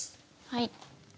はい。